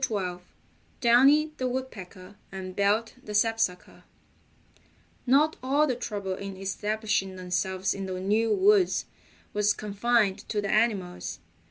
STORY XII DOWNY THE WOODPECKER AND BELT THE SAPSUCKER Not all the trouble in establishing themselves in the new woods was confined to the animals.